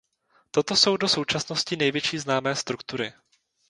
Toto jsou do současnosti největší známé struktury.